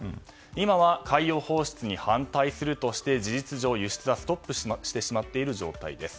今は海洋放出に反対するとして事実上輸出はストップしてしまっている状態です。